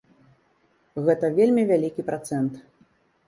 Гэта вельмі вялікі працэнт.